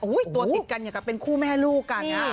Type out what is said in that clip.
โอ้โห้ยตัวติดกันอยากกับเป็นคู่แม่ลูกกัน